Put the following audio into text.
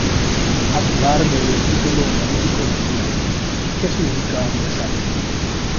Akbar le dio el título honorífico de Mian, que significa hombre sabio.